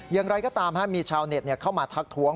อย่างไรก็ตามมีชาวเน็ตเข้ามาทักท้วง